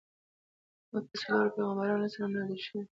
او په څلورو پیغمبرانو علیهم السلام نازل شویدي.